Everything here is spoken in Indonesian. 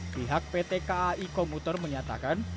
pihak pt kai komuter menyatakan